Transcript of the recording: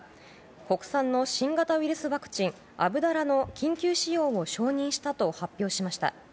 国産の新型ウイルスワクチンアブダラの緊急使用を承認したと発表しました。